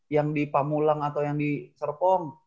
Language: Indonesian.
yang di pamulang atau yang di serpong